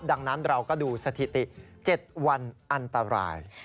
ดังนั้นเราก็ดูสถิติ๗วันอันตราย